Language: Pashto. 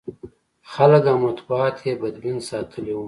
خلک او مطبوعات یې بدبین ساتلي و.